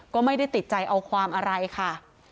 ก็ไม่ได้ติดใจเอาความอะไรค่ะ